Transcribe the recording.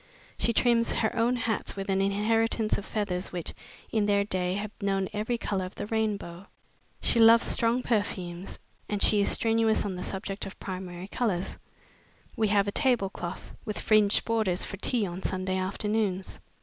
She trims her own hats with an inheritance of feathers which, in their day have known every color of the rainbow. She loves strong perfumes, and she is strenuous on the subject of the primary colors. We have a table cloth with fringed borders for tea on Sunday afternoons.